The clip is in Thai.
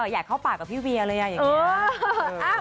อยากเข้าปากกับพี่เวียเลยอย่างนี้